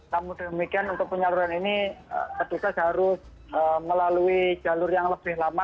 namun demikian untuk penyaluran ini petugas harus melalui jalur yang lebih lama